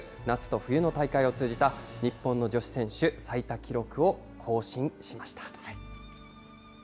夏と冬の大会を通じた日本の女子選手最多記録を更新しました。